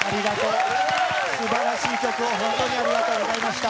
素晴らしい曲を本当にありがとうございました。